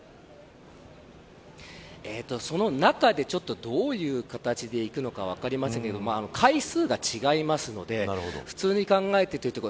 その中で、どういう形でいくのか分かりませんけれど階数が違いますので普通に考えてというところ。